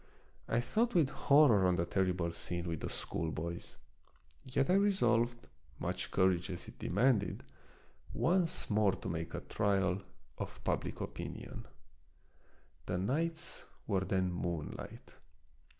I thought with horror on the terrible scene with the schoolboys ; yet I resolved, much courage as it demanded, once more to make a trial of public opinion. The nights were then moonlight.